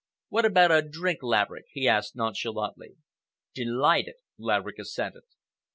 "What about a drink, Laverick?" he asked nonchalantly. "Delighted!" Laverick assented.